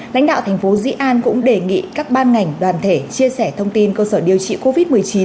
lãnh đạo tp di an cũng đề nghị các ban ngành đoàn thể chia sẻ thông tin cơ sở điều trị covid một mươi chín